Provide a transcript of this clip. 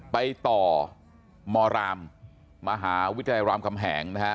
ไปต่อมรามมหาวิทยาลัยรามคำแหงนะฮะ